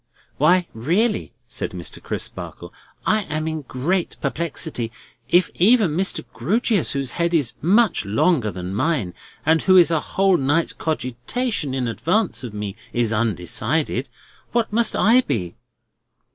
"Why really," said Mr. Crisparkle, "I am in great perplexity. If even Mr. Grewgious, whose head is much longer than mine, and who is a whole night's cogitation in advance of me, is undecided, what must I be!"